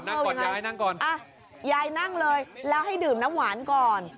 นั่งก่อนยายนั่งเลยแล้วให้ดื่มน้ำหวานก่อน